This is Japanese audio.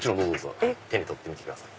手に取って見てください。